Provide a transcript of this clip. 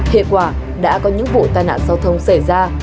hệ quả đã có những vụ tai nạn giao thông xảy ra